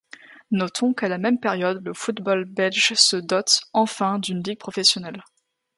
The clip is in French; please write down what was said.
Notons qu'à la même période, le football belge se dote, enfin, d'une Ligue professionnelle.